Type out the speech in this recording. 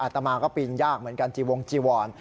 ตามาก็ปีนยากเหมือนกันจีวงจีวร